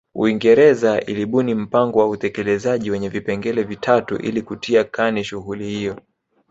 Uingereza ilibuni mpango wa utekelezaji wenye vipengele vitatu ili kutia kani shughuli hiyo